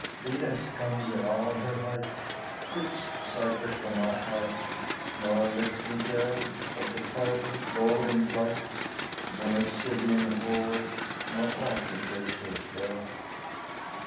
Venus comes in all her might, Quits Cyprus for my heart, nor lets me tell Of the Parthian, hold in flight, Nor Scythian hordes, nor aught that breaks her spell.